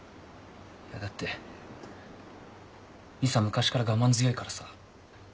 いやだって理沙昔から我慢強いからさ。